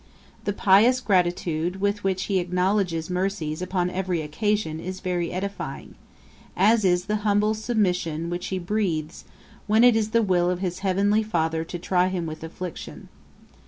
The pious gratitude with which he acknowledges mercies upon every occasion is very edifying; as is the humble submission which he breathes, when it is the will of his heavenly Father to try him with afflictions.